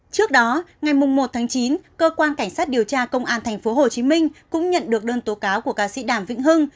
trước đó ngày một tháng chín cơ quan cảnh sát điều tra công an tp hcm cũng nhận được đơn tố cáo của ca sĩ đàm vĩnh hưng